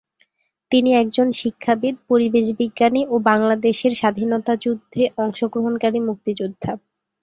তিনি একজন শিক্ষাবিদ, পরিবেশ বিজ্ঞানী ও বাংলাদেশের স্বাধীনতা যুদ্ধে অংশগ্রহণকারী মুক্তিযোদ্ধা।